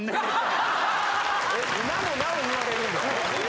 今もなお言われるんだ。